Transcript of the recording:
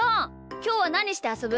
きょうはなにしてあそぶ？